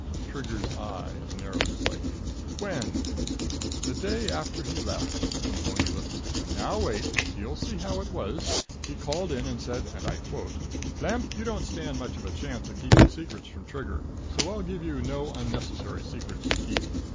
Trigger's eyes narrowed slightly. "When?" "The day after he left." Plemponi lifted a hand. "Now wait! You'll see how it was. He called in and said, and I quote, 'Plemp, you don't stand much of a chance at keeping secrets from Trigger, so I'll give you no unnecessary secrets to keep.